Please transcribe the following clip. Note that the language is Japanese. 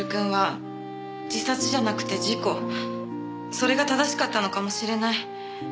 それが正しかったのかもしれない。